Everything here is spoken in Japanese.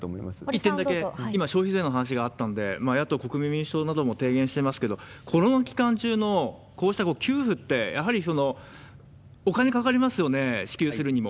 一点だけ、今、消費税の話があったんで、野党・国民民主党なども提言していますけれども、コロナ期間中のこうした給付って、やはりお金かかりますよね、支給するにも。